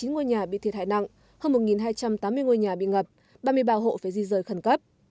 chín mươi ngôi nhà bị thiệt hại nặng hơn một hai trăm tám mươi ngôi nhà bị ngập ba mươi ba hộ phải di rời khẩn cấp